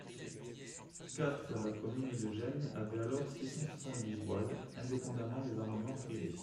quatre La commune de Gênes avait alors six cent soixante-dix voiles indépendamment des armements privés.